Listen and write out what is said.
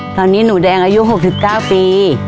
ตอนนี้หนูแดงอายุ๖๙ปี